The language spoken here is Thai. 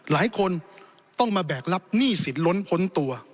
หลายคนต้องมาแบกรับหนี้สินล้นพ้นตัว